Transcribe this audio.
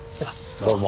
どうも。